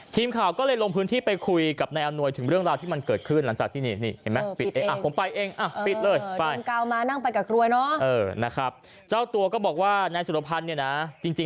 ทีมข่าวก็เลยลงพื้นที่ไปคุยกับนายอำนวยถึงเรื่องราวที่มันเกิดขึ้นหลังจากที่นี่เห็นไหม